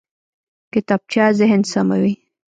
کتابچه ذهن سموي